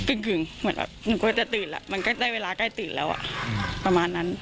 เหมือนแบบหนูกลัวจะตื่นแล้วมันก็ได้เวลาใกล้ตื่นแล้วอ่ะประมาณนั้น